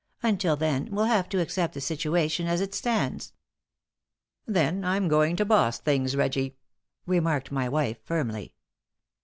Until then, we'll have to accept the situation as it stands." "Then I'm going to boss things, Reggie," remarked my wife, firmly.